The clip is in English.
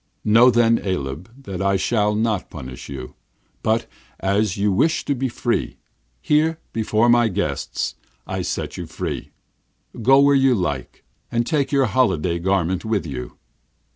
Know, then, Aleb, that I shall not punish you; but, as you wish to be free, here, before my guests, I set you free. Go where you like, and take your holiday garment with you!'